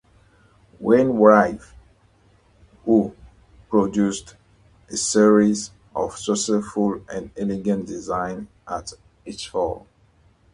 Wainwright who produced a series of successful and elegant designs at Ashford.